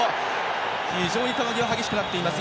非常に球際、激しくなっています。